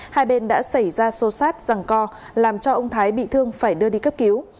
hai bên đã xảy ra xô xát rằng co làm cho ông thái bị thương phải đưa đi cấp cứu